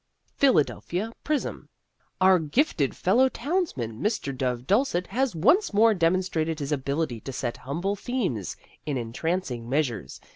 Philadelphia Prism: Our gifted fellow townsman, Mr. Dove Dulcet, has once more demonstrated his ability to set humble themes in entrancing measures.